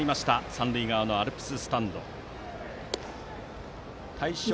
三塁側のアルプススタンド。